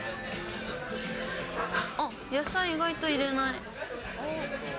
あっ、野菜意外と入れない。